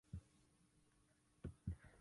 A prepaus, auètz opinon politica?